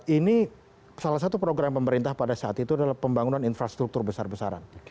ini salah satu program pemerintah pada saat itu adalah pembangunan infrastruktur besar besaran